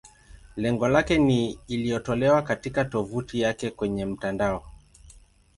Lengo lake ni iliyotolewa katika tovuti yake kwenye mtandao.